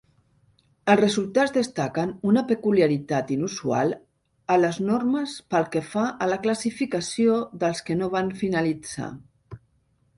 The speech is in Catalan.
Els resultats destaquen una peculiaritat inusual a les normes pel que fa a la classificació dels que no van finalitzar.